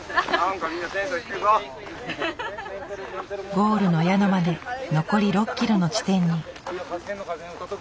ゴールの宿まで残り６ｋｍの地点に。